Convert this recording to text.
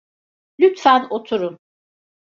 Lütfen oturun.